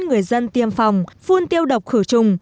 người dân tiêm phòng phun tiêu đồ khử trung